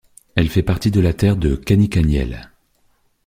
Elle fait partie de la terre de Cany-Caniel.